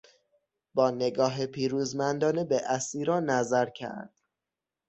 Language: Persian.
با نگاه پیروزمندانه به اسیران نظر کرد.